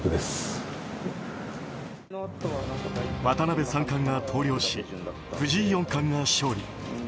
渡辺三冠が投了し藤井四冠が勝利。